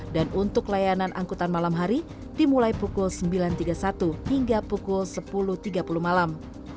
dan untuk layanan angkutan malam hari dimulai pukul sembilan tiga puluh satu hingga pukul sepuluh tiga puluh malam